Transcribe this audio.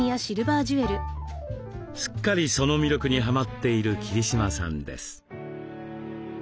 すっかりその魅力にはまっている桐島さんです。